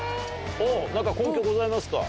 何か根拠ございますか？